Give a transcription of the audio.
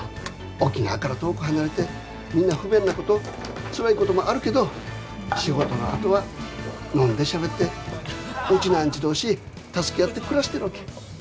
沖縄から遠く離れてみんな不便なことつらいこともあるけど仕事のあとは飲んでしゃべってウチナーンチュ同士助け合って暮らしてるわけ。